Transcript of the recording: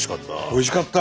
おいしかった。